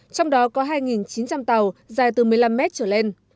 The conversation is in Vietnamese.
trong đó có hai chín trăm linh tàu dài từ một mươi năm mét trở lên